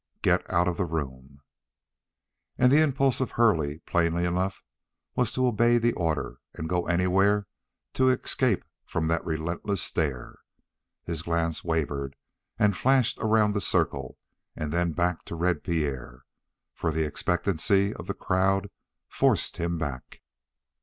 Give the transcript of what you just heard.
"Get out of the room." And the impulse of Hurley, plainly enough, was to obey the order, and go anywhere to escape from that relentless stare. His glance wavered and flashed around the circle and then back to Red Pierre, for the expectancy of the crowd forced him back.